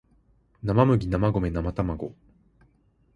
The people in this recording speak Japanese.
なまむぎなまごめなまたまご